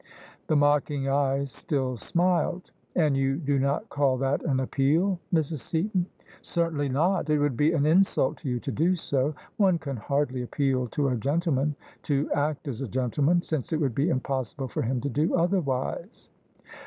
'' The mocking eyes still smiled. "And you do not call that an appeal, Mrs. Seaton?" " Certainly not: it would be an insult to you to do so. One can hardly appeal to a gentleman to act as a gentleman, since it would be impossible for him to do otherwise."